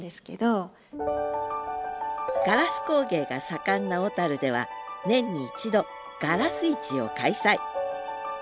ガラス工芸が盛んな小では年に一度「がらす市」を開催。